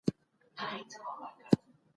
اسلام د هر چا لپاره د ژوند لاره ده.